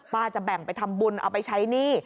จะแบ่งไปทำบุญเอาไปใช้หนี้